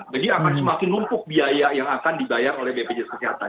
jadi akan semakin lumpuh biaya yang akan dibayar oleh bpjs kesehatan